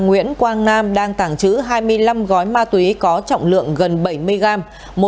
nguyễn quang nam đang tàng trữ hai mươi năm gói ma túy có trọng lượng gần bảy mươi gram